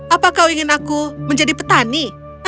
apa kau ingin aku menjadi petani